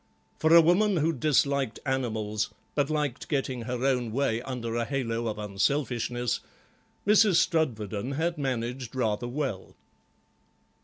For a woman who disliked animals, but liked getting her own way under a halo of unselfishness, Mrs. Strudwarden had managed rather well.